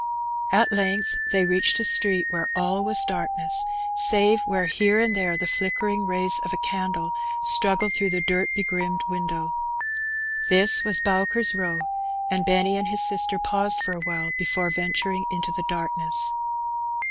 At length they reached a street where all was darkness, save where here and there the flickering jays of a candle struggled through the dirt begrimed window. This was Bowker's Eow, and Benny and his sister paused for awhile before venturing into the darkness.